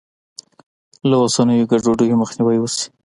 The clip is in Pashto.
له اوسنیو ګډوډیو مخنیوی وشي.